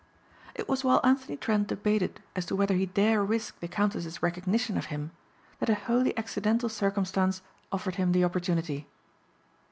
It was while Anthony Trent debated as to whether he dare risk the Countess's recognition of him that a wholly accidental circumstance offered him the opportunity.